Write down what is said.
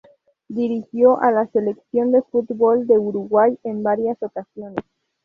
Dirigió a la Selección de fútbol de Uruguay en varias ocasiones.